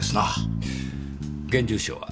現住所は？